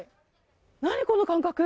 何、この感覚。